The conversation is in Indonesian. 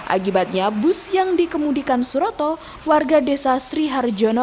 akibatnya bus yang dikemudikan suroto warga desa sriharjono